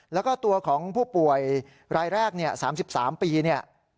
แล้วก็ตัวของผู้ป่วยรายแรก๓๓ปี